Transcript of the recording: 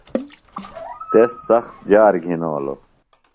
۔تس سخت جار گِھنولوۡ۔